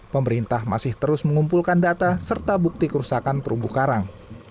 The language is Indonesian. pemerintah masih terus mengumpulkan data serta bukti kerusakan terumbu karang